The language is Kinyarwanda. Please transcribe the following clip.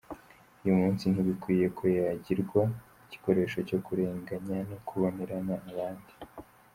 Uyu munsi, ntibikwiye ko yagirwa igikoresho cyo kurenganya no kubonerana abandi.